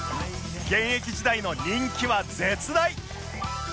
現役時代の人気は絶大！